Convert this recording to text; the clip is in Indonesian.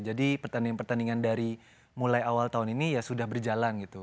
jadi pertandingan pertandingan dari mulai awal tahun ini ya sudah berjalan gitu